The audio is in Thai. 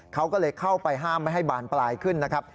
เขาก็เลยเข้าไปห้ามไม่ให้บานปลายขึ้นนะครับ